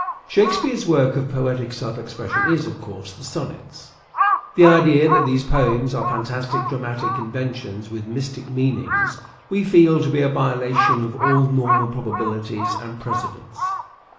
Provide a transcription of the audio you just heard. Shake speare's work of poetic self expression is, of course, the Sonnets. The idea that these poems are fantastic dramatic inventions with mystic meanings we feel 434 POETIC SELF REVELATION 435 to be a violation of all normal probabilities and precedents.